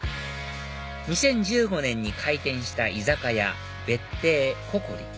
２０１５年に開店した居酒屋別邸ＫＯＫＯＲＩ